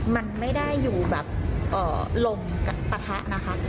มันไม่ได้อยู่แบบลมปะทะนะคะ